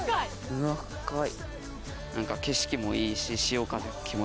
うわっ深い。